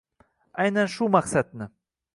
Aynan shu maqsadni